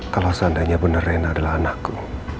kalau seandainya benar rena adalah anakku